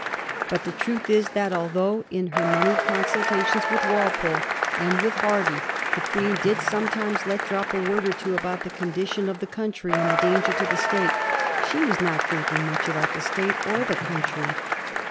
But the truth is that although in her many consulta tions with Walpole and with Hervey the Queen did some times let drop a word or two about the condition of the country and the danger to the State, she was not thinking much about the state of the country.